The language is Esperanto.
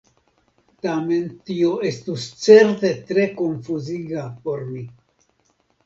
Tamen tio estus certe tre konfuziga por mi!